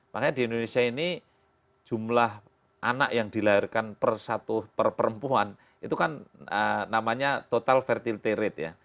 makanya di indonesia ini jumlah anak yang dilahirkan per satu per perempuan itu kan namanya total fertility rate ya